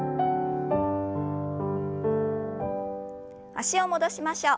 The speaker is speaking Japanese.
脚を戻しましょう。